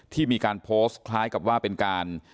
ที่มีการโพสต์คล้ายกับว่าเป็นการ